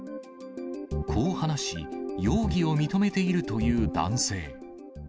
こう話し、容疑を認めているという男性。